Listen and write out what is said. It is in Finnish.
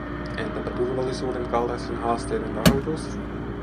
Entäpä turvallisuuden kaltaisten haasteiden rahoitus?